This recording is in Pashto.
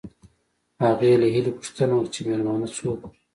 هغې له هیلې پوښتنه وکړه چې مېلمانه څوک وو